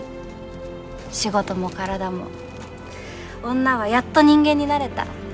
仕事も体も女はやっと人間になれた。